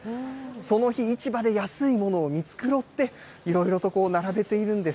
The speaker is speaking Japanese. その日市場で安いものを見繕って、いろいろと並べているんです。